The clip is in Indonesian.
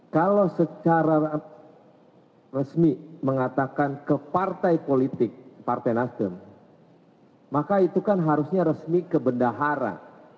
kalau secara resmi mengatakan ke partai politik partai nasdem maka itu kan harusnya resmi ke bendahara